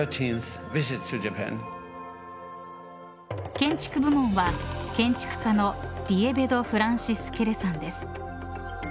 建築部門は、建築家のディエベド・フランシス・ケレさんです。